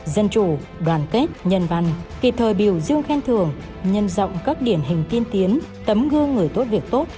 dân chủ đoàn kết nhân văn kịp thời biểu dương khen thưởng nhân rộng các điển hình tiên tiến tấm gương người tốt việc tốt